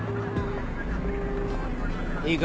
いいか？